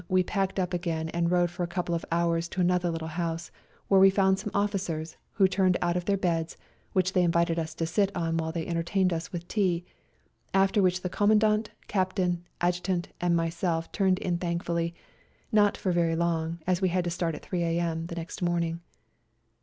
we packed up again and rode for a couple of hours to another little house, where we found some officers, who turned out of their beds— which they invited us to sit on while they entertained us with tea — after which the Commandant, Captain, Adjutant and myself turned in thank fully, not for very long, as we had to start at 3 a.m. the next morning.